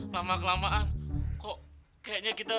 lama kelamaan kok kayaknya kita